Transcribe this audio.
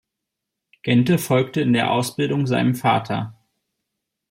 Genthe folgte in der Ausbildung seinem Vater.